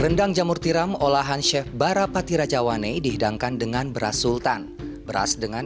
rendang jamur tiram olahan chef barapati rajawane dihidangkan dengan beras sultan beras dengan